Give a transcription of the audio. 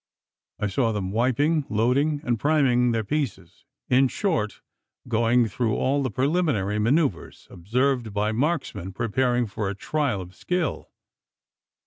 I saw them wiping, loading, and priming their pieces in short, going through all the preliminary manoeuvres, observed by marksmen preparing for a trial of skill.